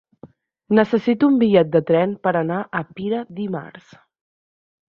Necessito un bitllet de tren per anar a Pira dimarts.